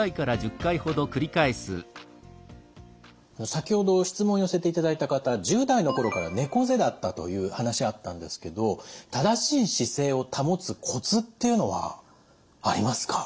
先ほど質問を寄せていただいた方１０代の頃から猫背だったという話あったんですけど正しい姿勢を保つコツっていうのはありますか？